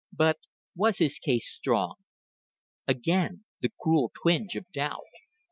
But was his case strong? Again the cruel twinge of doubt.